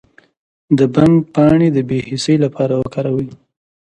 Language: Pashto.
د بنګ پاڼې د بې حسی لپاره وکاروئ